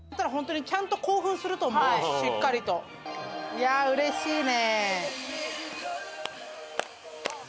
いや、うれしいね。